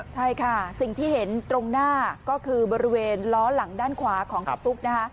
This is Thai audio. ใช่ค่ะสิ่งที่เห็นตรงหน้าก็คือบริเวณล้อหลังด้านขวาของคุณตุ๊ก